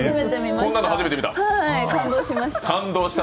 こんなの初めて見ました。